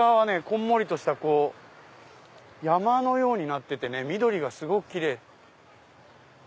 こんもりとした山のようになってて緑がすごくキレイ。